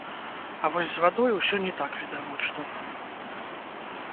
А вось з вадой усё не так відавочна.